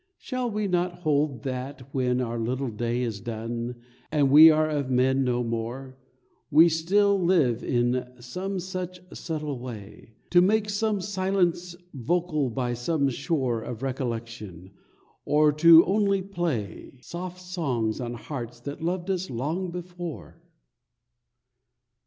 Shall we not hold that when our little day Is done, and we are of men no more, We still live on in some such subtle way, To make some silence vocal by some shore Of Recollection, or to only play Soft songs on hearts that loved us long before?